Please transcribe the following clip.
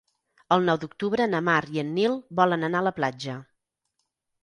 El nou d'octubre na Mar i en Nil volen anar a la platja.